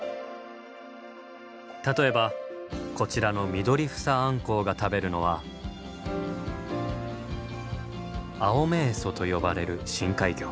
例えばこちらのミドリフサアンコウが食べるのはアオメエソと呼ばれる深海魚。